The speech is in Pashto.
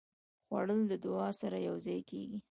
خوړل د دعا سره یوځای کېږي